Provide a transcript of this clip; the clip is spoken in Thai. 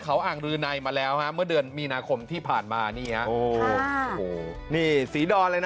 เขาอ่างรือในมาแล้วฮะเมื่อเดือนมีนาคมที่ผ่านมานี่ฮะโอ้โหนี่ศรีดอนเลยนะ